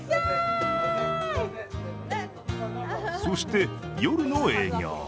そして夜の営業。